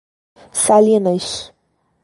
Salinas